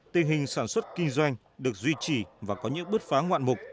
tình hình sản xuất kinh doanh được duy trì và có những bước phá ngoạn mục